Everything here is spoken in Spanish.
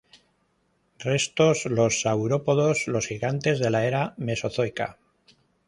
Restos los saurópodos, los gigantes de la era Mesozoica.